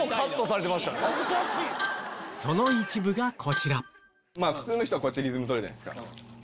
その一部がこちら普通の人はこうやってリズムとるじゃないですか。